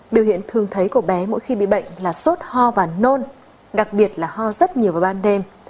biểu hiện thường thấy của bé mỗi khi bị bệnh là sốt ho và nôn đặc biệt là ho rất nhiều vào ban đêm